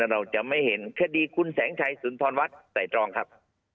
เราจะไม่เห็นคดีคุณแสงชัยสุนทรวัฒน์ใส่ตรองครับ